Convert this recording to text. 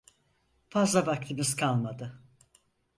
Fazla vaktimiz kalmadı.